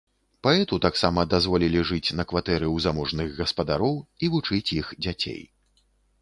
Паэту таксама дазволілі жыць на кватэры ў заможных гаспадароў і вучыць іх дзяцей.